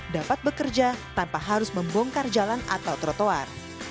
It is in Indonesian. dapat bekerja tanpa harus membongkar jalan atau trotoar